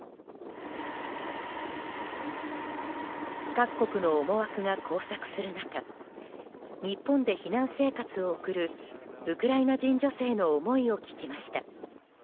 各国の思惑が交錯する中日本で避難生活を送るウクライナ人女性の思いを聞きました。